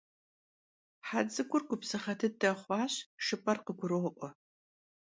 He ts'ık'ur gubzığe dıde xhuaş, jjıp'er khıguro'ue.